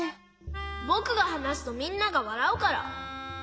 ぼくがはなすとみんながわらうから。